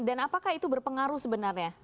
dan apakah itu berpengaruh sebenarnya